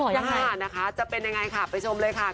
ย่านะคะจะเป็นยังไงค่ะไปชมเลยค่ะ